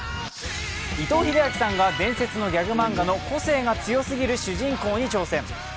伊藤英明さんが伝説のギャグ漫画の個性が強すぎる主人公に挑戦。